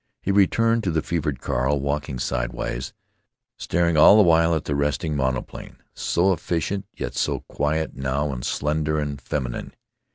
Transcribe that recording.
He returned to the fevered Carl, walking sidewise, staring all the while at the resting monoplane, so efficient, yet so quiet now and slender and feminine.